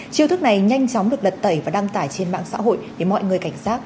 chiêu thức này nhanh chóng được lật tẩy và đăng tải trên mạng xã hội để mọi người cảnh giác